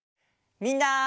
みんな！